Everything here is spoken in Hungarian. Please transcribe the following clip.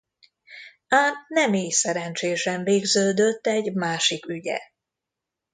Ám nem ily szerencsésen végződött egy másik ügye.